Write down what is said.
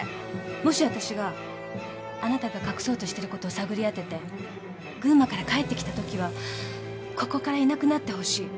もしあたしがあなたが隠そうとしてることを探り当てて群馬から帰ってきたときはここからいなくなってほしい。